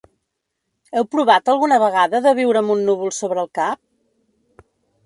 Heu provat alguna vegada de viure amb un núvol sobre el cap?